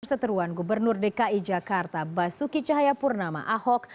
perseteruan gubernur dki jakarta basuki cahayapurnama ahok